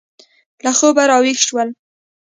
له خوبه را ویښ شول.